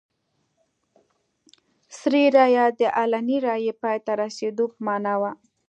سري رایه د علني رایې پای ته رسېدو په معنا وه.